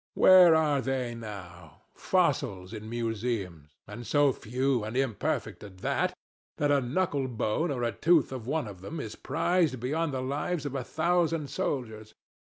Where are they now? Fossils in museums, and so few and imperfect at that, that a knuckle bone or a tooth of one of them is prized beyond the lives of a thousand soldiers.